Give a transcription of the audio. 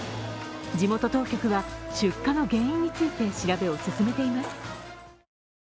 地元当局は出火の原因について調べを進めています。